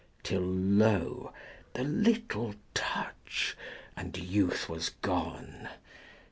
Till lo, the little touch, and youth was gone!